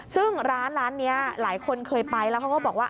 ซึ่งร้านนี้หลายคนเคยไปแล้วเขาก็บอกว่า